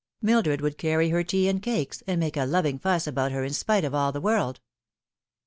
Mildred would carry her tea and cakes, and make a loving fuss about her in spite of all tlu> world.